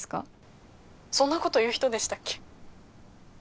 ☎そんなこと言う人でしたっけ？